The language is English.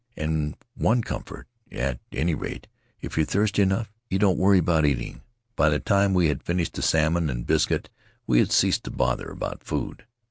We had one comfort, at any rate — if you're thirsty enough, you don't worry about eating. By the time we had finished the salmon and biscuit we had ceased to bother about food.